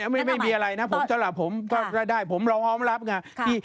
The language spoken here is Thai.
ไม่มีอะไรนะผมจะหลับผมก็ได้ผมร้องออมรับไง